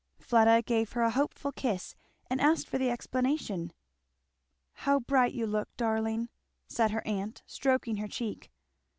Fleda gave her a hopeful kiss and asked for the explanation. "How bright you look, darling!" said her aunt, stroking her cheek.